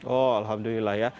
oh alhamdulillah ya